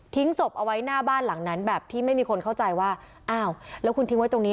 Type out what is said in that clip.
ศพเอาไว้หน้าบ้านหลังนั้นแบบที่ไม่มีคนเข้าใจว่าอ้าวแล้วคุณทิ้งไว้ตรงนี้